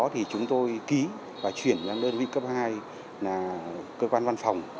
thì chúng tôi ký và chuyển sang đơn vị cấp hai là cơ quan văn phòng